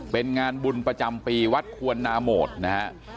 เป็นงานบุญประจำปีวัดควรนาโมดนะฮะ